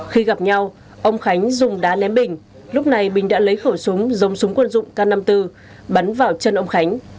khi gặp nhau ông khánh dùng đá ném bình lúc này bình đã lấy khẩu súng giống súng quân dụng k năm mươi bốn bắn vào chân ông khánh